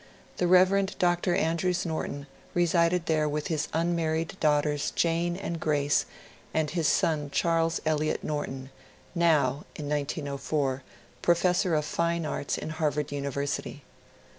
The Rev. Dr. Andrews Norton resided there with his unmar ried daughters Jane and Grace, and his son Charles Eliot Norton, now (1904) professor of fine arts in Harvard Univer sity.